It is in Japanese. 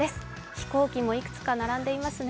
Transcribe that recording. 飛行機もいくつか並んでいますね。